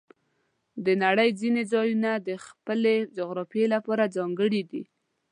د نړۍ ځینې ځایونه د خپلې جغرافیې لپاره ځانګړي دي.